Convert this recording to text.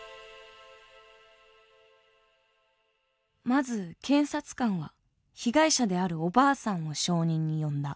まず検察官は被害者であるおばあさんを証人に呼んだ。